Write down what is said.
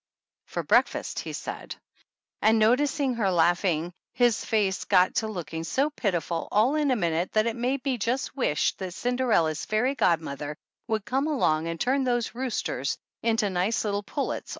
"For breakfast," he said; and, noticing her laughing, his face got to looking so pitiful all in a minute that it made me just wish that Cin derella's fairy godmother would come along and turn those roosters into nice little pullets